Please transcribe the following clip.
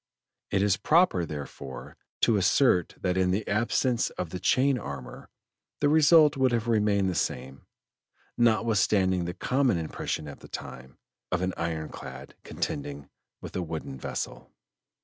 It is proper therefore to assert that in the absence of the chain armor the result would have remained the same, notwithstanding the common impression at the time, of an "iron clad" contending with a wooden vessel.